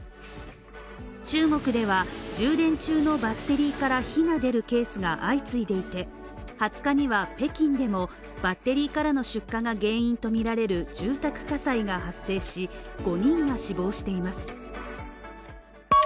中国では充電中のバッテリーから火が出るケースが相次いでいて、２０日には北京でもバッテリーからの出火が原因とみられる住宅火災が発生し、５人が死亡しています。